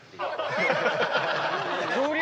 恐竜